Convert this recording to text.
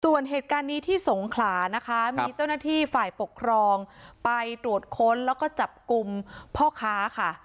ส่วนเหตุการณ์นี้ที่สงขลานะคะมีเจ้าหน้าที่ฝ่ายปกครองไปตรวจค้นแล้วก็จับกลุ่มพ่อค้าค่ะ